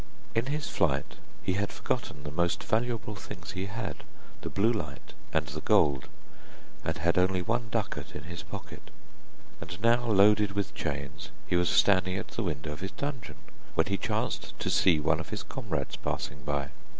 In his flight he had forgotten the most valuable things he had, the blue light and the gold, and had only one ducat in his pocket. And now loaded with chains, he was standing at the window of his dungeon, when he chanced to see one of his comrades passing by.